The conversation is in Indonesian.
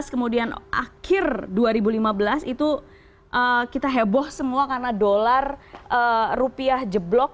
kemudian akhir dua ribu lima belas itu kita heboh semua karena dolar rupiah jeblok